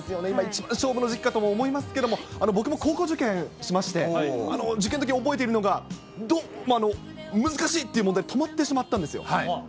今一番勝負の時期かとも思いますけれども、僕も高校受験しまして、受験のとき、覚えているのが、難しいっていう問題、止まってしまったんですよ。